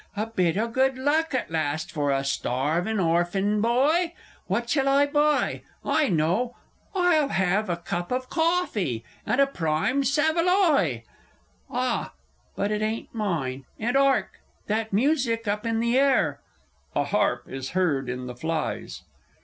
A bit o' good luck at last for a starvin' orfin boy! What shall I buy? I know I'll have a cup of cawfy, and a prime saveloy! Ah, but it ain't mine and 'ark ... that music up in the air! [_A harp is heard in the flies.